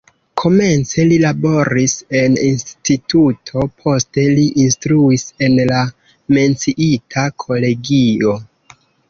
Komence li laboris en instituto, poste li instruis en la menciita kolegio.